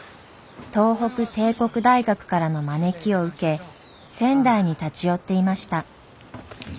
東北帝国大学からの招きを受け仙台に立ち寄っていました。